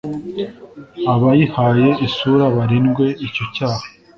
abayihaye isura barindwe icyo cyaha